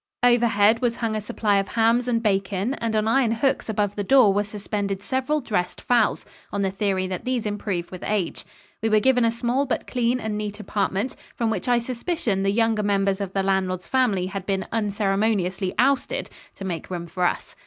Overhead was hung a supply of hams and bacon and on iron hooks above the door were suspended several dressed fowls, on the theory that these improve with age. We were given a small but clean and neat apartment, from which I suspicion the younger members of the landlord's family had been unceremoniously ousted to make room for us.